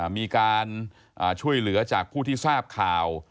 มีการช่วยเหลือจากผู้ที่ทราบข่าว